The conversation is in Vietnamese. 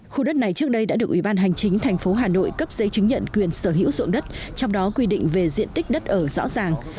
khu đất này trước đây đã được ủy ban hành chính thành phố hà nội cấp giấy chứng nhận quyền sở hữu dụng đất trong đó quy định về diện tích đất ở rõ ràng